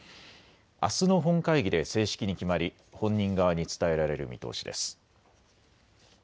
あすの本会議で正式に決まり本人側に伝えられる見通しです。